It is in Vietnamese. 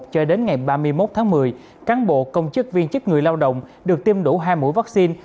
cho đến ngày ba mươi một tháng một mươi cán bộ công chức viên chức người lao động được tiêm đủ hai mũi vaccine